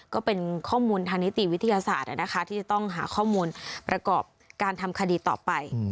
ก็เป็นข้อมูลทางนิติวิทยาศาสตร์ที่จะต้องหาข้อมูลประกอบการทำคดีต่อไป